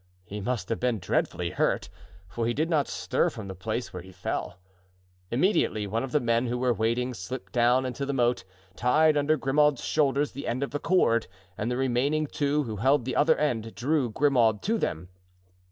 He must have been dreadfully hurt, for he did not stir from the place where he fell. Immediately one of the men who were waiting slipped down into the moat, tied under Grimaud's shoulders the end of a cord, and the remaining two, who held the other end, drew Grimaud to them.